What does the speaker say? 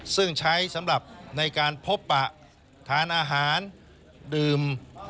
ซึ่งใช้สำหรับในการพบปะทานอาหารดื่ม